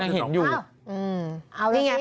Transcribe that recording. เอ้านี่ไงแปลกแล้วยัง